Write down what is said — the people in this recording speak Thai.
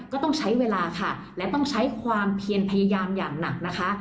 ก็ต้องใช้เวลาค่ะและต้องใช้ความเพียรพยายามอย่างหนักนะคะ